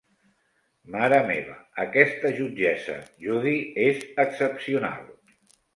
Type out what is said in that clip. Mare meva, aquesta jutgessa Judy és excepcional.